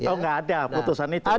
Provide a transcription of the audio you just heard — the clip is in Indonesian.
oh nggak ada putusan itu